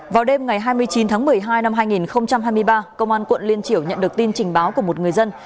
vào đêm ngày hai mươi chín tháng một mươi hai năm hai nghìn hai mươi ba công an quận liên triểu nhận được tin trình báo của một người dân